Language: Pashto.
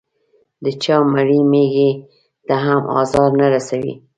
د چا مړې مېږې ته هم ازار نه رسوي.